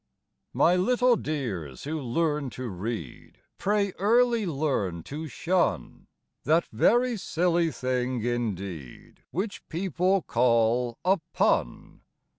My little dears who learn to read, pray early learn to shun That very silly thing indeed, which people call a pun.